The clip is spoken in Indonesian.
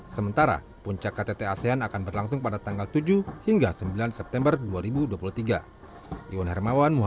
sementara puncak ktt asean akan berlangsung pada tanggal tujuh hingga sembilan september dua ribu dua puluh tiga